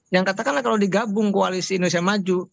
yang katakanlah kalau digabung koalisi indonesia maju